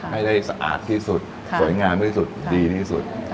ให้ได้สะอาดที่สุดสวยงามที่สุดดีที่สุด